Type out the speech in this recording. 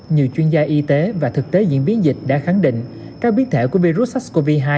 nhiều chuyên gia y tế và thực tế diễn biến dịch đã khẳng định các biến thể của virus sars cov hai